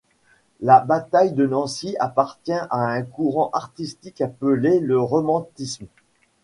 La bataille de Nancy appartient à un courant artistique appelé le romantisme.